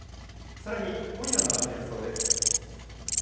さらに今夜の雨の予想です。